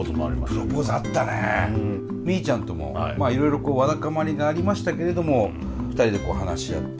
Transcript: ーちゃんともまあいろいろこうわだかまりがありましたけれども２人でこう話し合って。